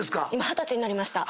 二十歳になりました。